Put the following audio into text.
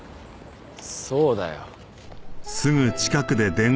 そうだよ。